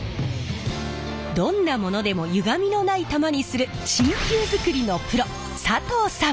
どんなものでもゆがみのない球にする真球づくりのプロ佐藤さん！